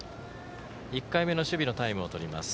１回目の守備のタイムをとります。